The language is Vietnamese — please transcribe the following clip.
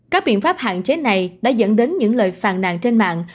các biện pháp hạn chế này đã dẫn đến những lời phàn nàn trên mạng